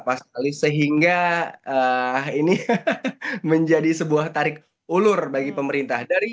pas sekali sehingga ini menjadi sebuah tarik ulur bagi pemerintah